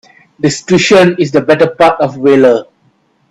Discretion is the better part of valour.